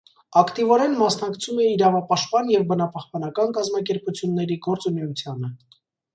Ակտիվորեն մասնակցում է իրավապաշտպան և բնապահպանական կազմակերպությունների գործունեությանը։